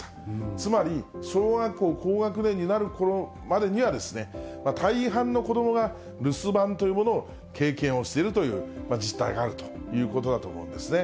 つまり小学校高学年になるころまでには、大半の子どもが留守番というものを経験をしているという実態があるということだと思うんですね。